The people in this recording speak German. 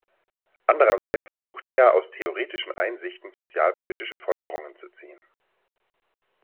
Andererseits versuchte er, aus theoretischen Einsichten sozialpolitische Folgerungen zu ziehen.